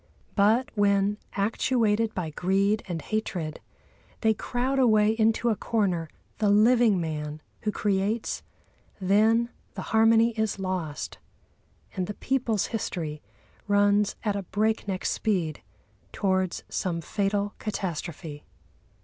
But when, actuated by greed and hatred, they crowd away into a corner the living man who creates, then the harmony is lost, and the people's history runs at a break neck speed towards some fatal catastrophe.